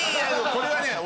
これはね